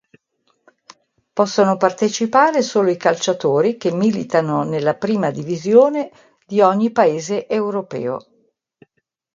Possono partecipare solo i calciatori che militano nella Prima Divisione di ogni paese europeo.